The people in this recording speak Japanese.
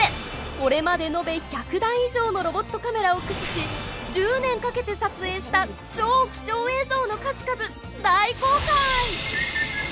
これまで延べ１００台以上のロボットカメラを駆使し１０年かけて撮影した超貴重映像の数々大公開！